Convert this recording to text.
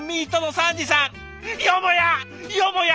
よもや！